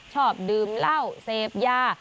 ชอบดื่มเหล้าเสพยา